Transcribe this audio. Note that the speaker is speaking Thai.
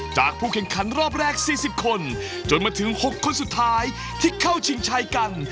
ผู้แข่งขันรอบแรก๔๐คนจนมาถึง๖คนสุดท้ายที่เข้าชิงชัยกัน